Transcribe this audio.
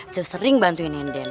cek sering bantuin nenden